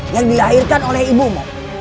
yang dilahirkan oleh ibumu